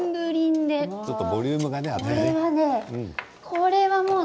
これは、もう。